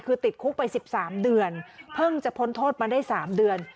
คือติดคุกไป๑๓เดือนเพิ่งจะพ้นโทษมาได้๓เดือน